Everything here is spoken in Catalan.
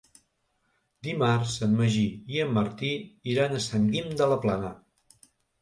Dimarts en Magí i en Martí iran a Sant Guim de la Plana.